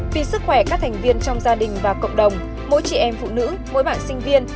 vì sức khỏe các thành viên trong gia đình và cộng đồng mỗi chị em phụ nữ mỗi bạn sinh viên